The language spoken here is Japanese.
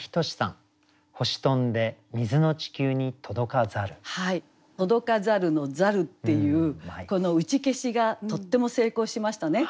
「届かざる」の「ざる」っていうこの打ち消しがとっても成功しましたね。